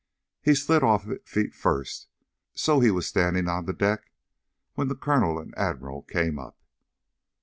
He slid off it feet first, so he was standing on the deck when the Colonel and the Admiral came up.